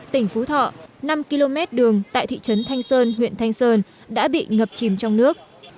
tỉnh phú thọ năm km đường tại thị trấn thanh sơn huyện thanh sơn đã bị ngập chìm trong nước